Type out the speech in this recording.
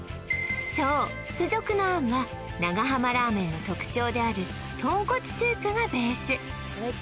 そう付属のあんは長浜ラーメンの特徴であるとんこつスープがベース